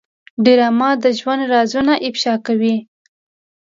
ډرامه د ژوند رازونه افشا کوي